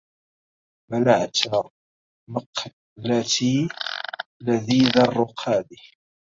منعت مقلتى لذيذ الرقاد